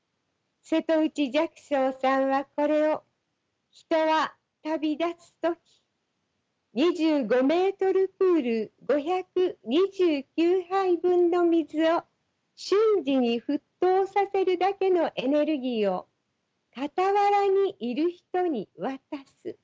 瀬戸内寂聴さんはこれを「人は旅立つ時２５メートルプール５２９杯分の水を瞬時に沸騰させるだけのエネルギーを傍らにいる人に渡す」